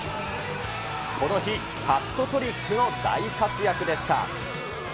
この日、ハットトリックの大活躍でした。